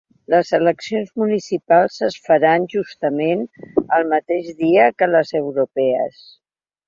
Les eleccions municipals es faran, justament, el mateix dia que les europees.